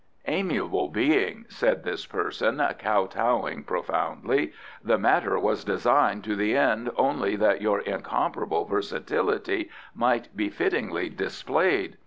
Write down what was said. "Amiable Being," said this person, kow towing profoundly, "the matter was designed to the end only that your incomparable versatility might be fittingly displayed.